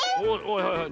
はいはい。